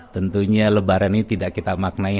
tentunya lebaran ini tidak kita maknai